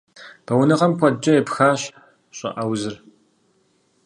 Бэуэныгъэм куэдкӀэ епхащ щӀыӀэ узыр.